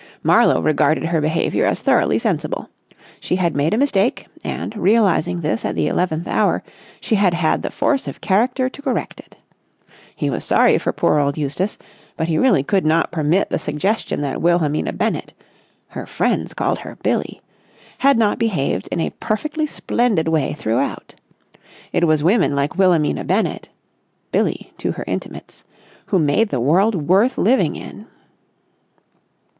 Marlowe regarded her behaviour as thoroughly sensible. She had made a mistake, and, realising this at the eleventh hour, she had had the force of character to correct it. He was sorry for poor old Eustace, but he really could not permit the suggestion that Wilhelmina Bennett—her friends called her Billie—had not behaved in a perfectly splendid way throughout. It was women like Wilhelmina Bennett—Billie to her intimates—who made the world worth living in.